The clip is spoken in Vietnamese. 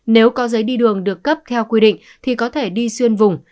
nếu có giấy đi đường được cấp theo quy định thì có thể đi xuyên vùng